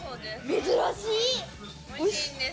珍しい。